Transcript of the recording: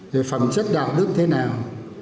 rồi phẩm chất đạo đức thế nào